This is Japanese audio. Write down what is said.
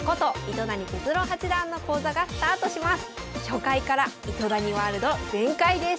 糸谷哲郎八段の講座がスタートします。